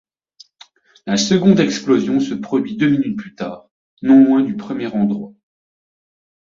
La seconde explosion se produit deux minutes plus tard, non loin du premier endroit.